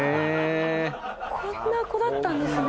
こんな子だったんですね。